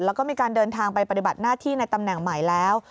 แล้วก็มีการเดินทางไปปฏิบัติหน้าที่ในตำแหน่งใหม่แล้ว